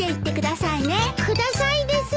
くださいです。